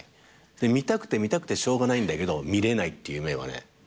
で見たくて見たくてしょうがないんだけど見れないっていう夢はねよく見るよ。